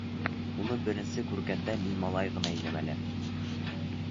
Уны беренсе күргәндә мин малай ғына инем әле.